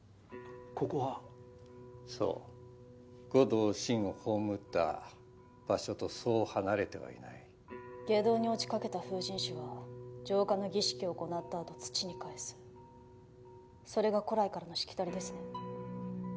ここはそう悟堂真を葬った場所とそう離れてはいない外道に落ちかけた封刃師は浄化の儀式を行ったあと土に返すそれが古来からのしきたりですね